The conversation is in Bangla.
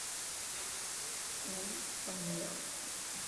এই, পানি আন।